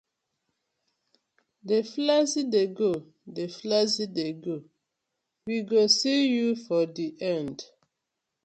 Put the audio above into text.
Dey flex dey go, dey flex dey go, we go see yu for di end.